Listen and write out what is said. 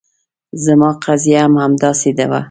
زما قضیه هم همداسې وه.